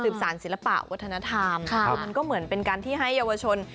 สารศิลปะวัฒนธรรมคือมันก็เหมือนเป็นการที่ให้เยาวชน